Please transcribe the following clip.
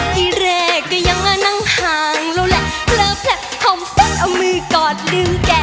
ที่แรกก็ยังอ่ะนั่งห่างแล้วแหละเคลอร์แพลตพร่อมเต็ดเอามือกอดลืมแก